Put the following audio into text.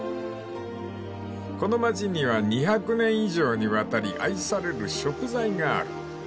［この町には２００年以上にわたり愛される食材がある］